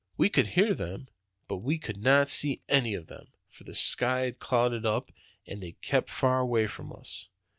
We could hear them, but we could not see any of them, for the sky had clouded up, and they kept far away from us.